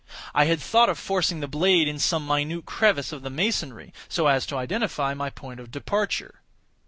I had thought of forcing the blade in some minute crevice of the masonry, so as to identify my point of departure.